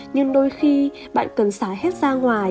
nhưng đôi khi bạn cần xả hết ra ngoài